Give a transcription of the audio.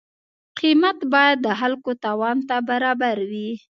قیمت باید د خلکو توان ته برابر وي.